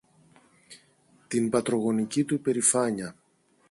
την πατρογονική του υπερηφάνεια